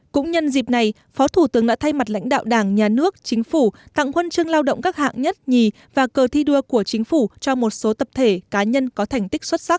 cũng nhân dịp này phó thủ tướng đã thay mặt lãnh đạo đảng nhà nước chính phủ tặng huân chương lao động các hạng nhất nhì và cờ thi đua của chính phủ cho một số tập thể cá nhân có thành tích xuất sắc